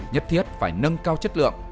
nhất thiết phải nâng cao chất lượng